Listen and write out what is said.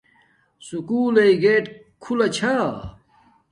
سکُول لݵ گیٹ کھولہ چھا